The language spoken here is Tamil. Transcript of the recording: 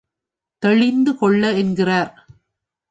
தெளிந்து கொள்ள என்கிறார்.